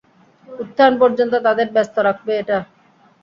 উত্থান পর্যন্ত তাদের ব্যস্ত রাখবে এটা।